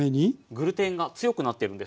グルテンが強くなってるんですよ。